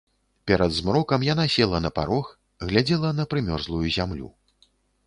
Перад змрокам яна села на парог, глядзела на прымёрзлую зямлю.